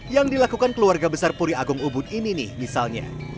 yang dilakukan keluarga besar puri agung ubud ini nih misalnya